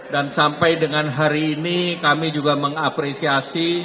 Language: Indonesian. dan sampai dengan hari ini kami juga mengapresiasi